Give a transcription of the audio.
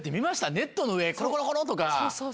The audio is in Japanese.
ネットの上コロコロコロとか。